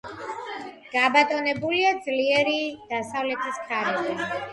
გაბატონებულია ძლიერი დასავლეთის ქარები.